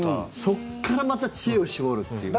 そっからまた知恵を絞るっていうね。